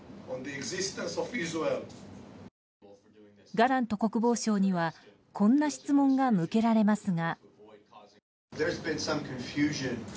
ガラント国防相にはこんな質問が向けられますが。